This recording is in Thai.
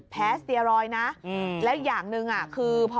แพ้สเตอรอยนะและอีกอย่างหนึ่งคือ